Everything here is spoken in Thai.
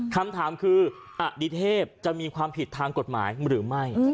คำถามคืออดิเทพจะมีความผิดทางกฎหมายหรือไม่